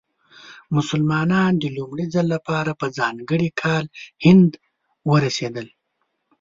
مسلمانان د لومړي ځل لپاره په ځانګړي کال هند ورسېدل.